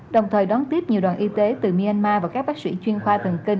đồng thời đón tiếp nhiều đoàn y tế từ myanmar và các bác sĩ chuyên khoa thần kinh